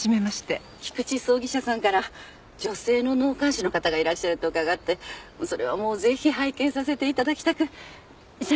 菊池葬儀社さんから女性の納棺師の方がいらっしゃると伺ってそれはもうぜひ拝見させていただきたく社員と一緒に。